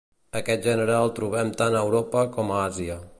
Aquest gènere el trobem tant a Europa com a Àsia.